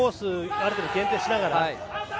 ある程度限定しながら。